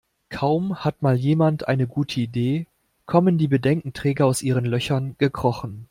Kaum hat mal jemand eine gute Idee, kommen die Bedenkenträger aus ihren Löchern gekrochen.